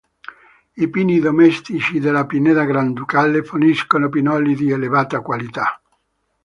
I pini domestici della Pineta Granducale forniscono pinoli di elevata qualità.